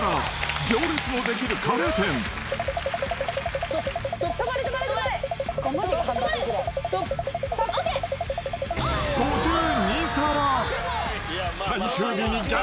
行列の出来るカレー店、５２皿。